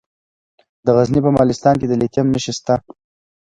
د غزني په مالستان کې د لیتیم نښې شته.